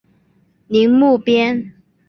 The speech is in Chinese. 宁木边。